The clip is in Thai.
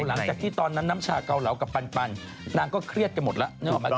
หลังจากที่น้ำชากงเก่าเหลากับปันนางก็เครียดกับหมดแล้ว